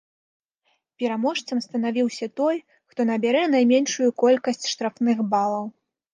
Пераможцам станавіўся той, хто набярэ найменшую колькасць штрафных балаў.